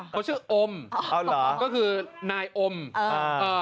เขาชื่ออมเอาเหรอก็คือนายอมอ่า